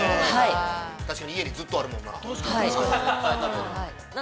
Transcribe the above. ◆確かに家にずっとあるもんな。